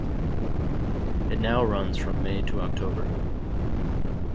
It now runs from May to October.